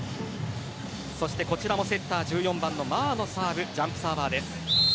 こちらもセッター１４番のマーのサーブジャンプサーバです。